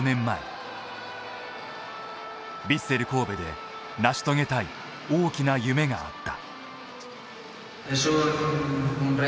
ヴィッセル神戸で成し遂げたい大きな夢があった。